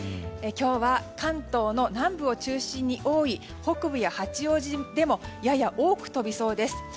今日は関東の南部を中心に多い北部や八王子でもやや多く飛びそうです。